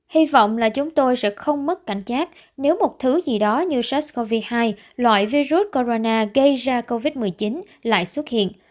hy vọng là chúng tôi sẽ không mất cảnh giác nếu một thứ gì đó như sars cov hai loại virus corona gây ra covid một mươi chín lại xuất hiện